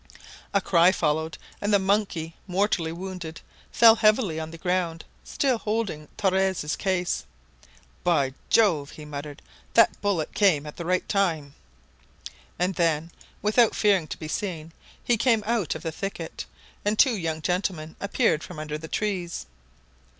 A cry followed, and the monkey, mortally wounded, fell heavily on the ground, still holding Torres' case. "By Jove!" he muttered, "that bullet came at the right time!" And then, without fearing to be seen, he came out of the thicket, and two young gentlemen appeared from under the trees.